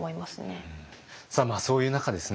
そういう中ですね